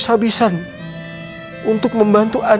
mama inget waktu adin di penjara atas kejahatan